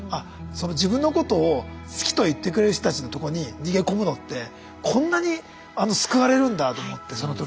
自分のことを好きと言ってくれる人たちのとこに逃げ込むのってこんなに救われるんだと思ってその時。